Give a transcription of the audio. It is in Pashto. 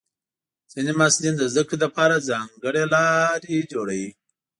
ځینې محصلین د زده کړې لپاره ځانګړې لارې جوړوي.